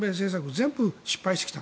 全部失敗してきた。